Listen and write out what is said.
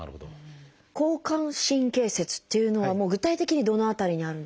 交感神経節っていうのは具体的にどの辺りにあるんですか？